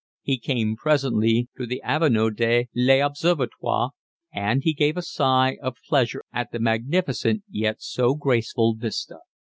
He came presently to the Avenue de l'Observatoire, and he gave a sigh of pleasure at the magnificent, yet so graceful, vista.